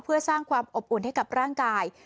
เพื่อสร้างความอบอุ่นให้กับร่างกาย